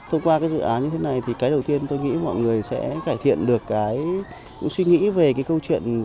thông qua cái dự án như thế này thì cái đầu tiên tôi nghĩ mọi người sẽ cải thiện được cái suy nghĩ về cái câu chuyện